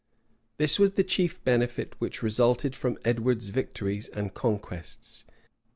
This was the chief benefit which resulted from Edward's victories and conquests.